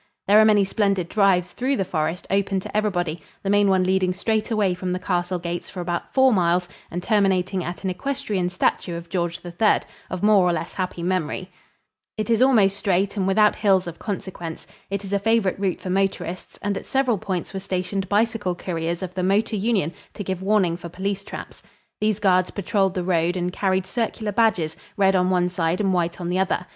There are many splendid drives through the forest open to everybody, the main one leading straight away from the castle gates for about four miles and terminating at an equestrian statue of George the Third, of more or less happy memory. A broad road leads from Windsor to Oxford; it is almost straight and without hills of consequence. It is a favorite route for motorists, and at several points were stationed bicycle couriers of the Motor Union to give warning for police traps. These guards patrolled the road and carried circular badges, red on one side and white on the other.